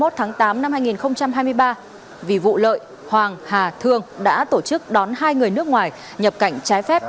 hai mươi tháng tám năm hai nghìn hai mươi ba vì vụ lợi hoàng hà thương đã tổ chức đón hai người nước ngoài nhập cảnh trái phép